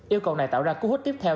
yêu cầu này tạo ra cú hút tiếp theo